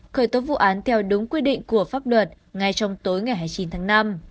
khởi tố vụ án theo đúng quy định của pháp luật ngay trong tối ngày hai mươi chín tháng năm